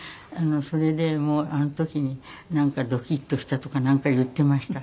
それであの時になんかドキッとしたとかなんか言ってました。